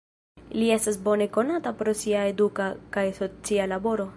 Li estas bone konata pro sia eduka kaj socia laboro.